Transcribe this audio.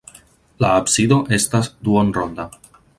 La absido estas duonronda.